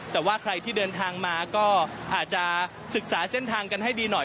แต่ว่าใครที่เดินทางมาก็อาจจะศึกษาเส้นทางกันให้ดีหน่อย